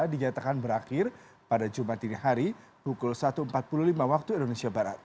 dinyatakan berakhir pada jumat ini hari pukul satu empat puluh lima waktu indonesia barat